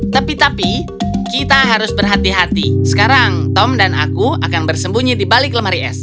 tapi tapi kita harus berhati hati sekarang tom dan aku akan bersembunyi di balik lemari es